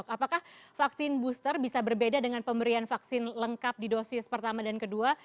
apakah vaksin booster bisa berbeda dengan pemberian vaksin lengkap di dosis pertama dan kedua